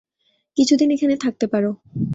কিছুদিন এখানে থাকতে পারো।